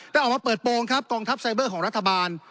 ออกมาเปิดโปรงครับกองทัพไซเบอร์ของรัฐบาล